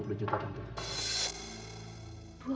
aku butuh uang dua puluh juta